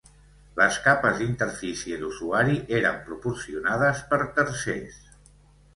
Les capes d'interfície d'usuari eren proporcionades per tercers.